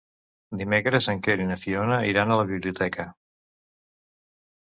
Dimecres en Quer i na Fiona iran a la biblioteca.